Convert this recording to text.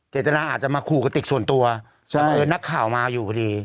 เจตนาอาจจะมาขู่กระติกส่วนตัวบังเอิญนักข่าวมาอยู่พอดี